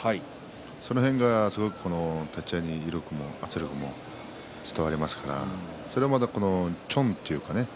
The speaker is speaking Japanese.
その辺が立ち合いの威力も圧力も伝わりますからそれまでは、ちょんというかね